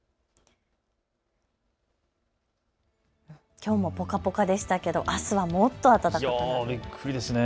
きょうもぽかぽかでしたけどあすはもっと暖かくなりそうですね。